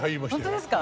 本当ですか。